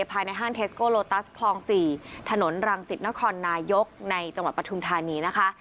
ภายในห้างเทสโกโลตัสคลอง๔ถนนรังสิตนครนายกในจังหวัดปฐุมธานีนะคะ